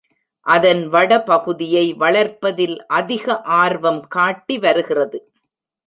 அதன் வட பகுதியை வளர்ப்பதில் அதிக ஆர்வம் காட்டி வருகிறது.